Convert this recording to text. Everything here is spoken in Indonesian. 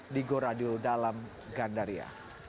di goradio dalam gandaria